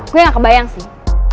gue gak kebayang sih